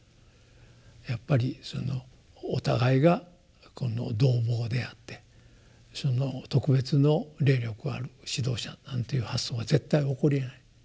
やっぱりお互いがこの同朋であってその特別の霊力ある指導者なんていう発想は絶対起こりえない。